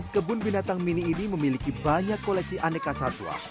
kebun binatang mini ini memiliki banyak koleksi aneka satwa